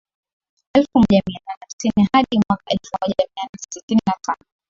elfu moja mia nane hamsini hadi mwaka elfu moja mia nane sitini na tano